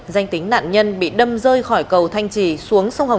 danh tính nạn nhân bị đâm rơi khỏi cầu thanh trì xuống sông hồng